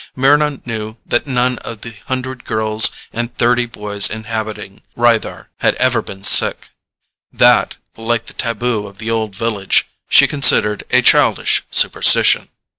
Mryna knew that none of the hundred girls and thirty boys inhabiting Rythar had ever been sick. That, like the taboo of the Old Village, she considered a childish superstition.